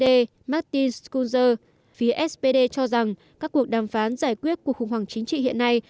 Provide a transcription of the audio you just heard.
đảng spd martin schulze phía spd cho rằng các cuộc đàm phán giải quyết cuộc khủng hoảng chính trị hiện nay